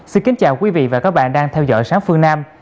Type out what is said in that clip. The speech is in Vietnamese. xin kính chào quý vị và các bạn đang theo dõi sáng phương nam